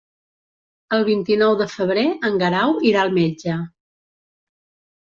El vint-i-nou de febrer en Guerau irà al metge.